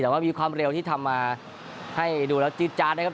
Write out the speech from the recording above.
แต่ว่ามีความเร็วที่ทำมาให้ดูแล้วจืดจาดนะครับ